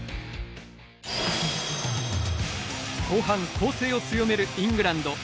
後半、攻勢を強めるイングランド。